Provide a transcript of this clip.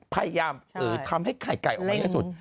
พยายามทำให้ไข่ไก่ออกมาให้สุด